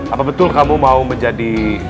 apa betul kamu mau menjadi